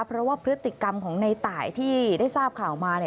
เพราะว่าพฤติกรรมของในตายที่ได้ทราบข่าวมา